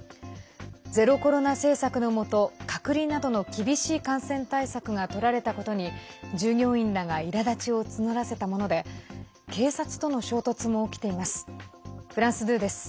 ゼロコロナ政策のもと隔離などの厳しい感染対策がとられたことに従業員らがいらだちを募らせたもので警察との衝突も起きています。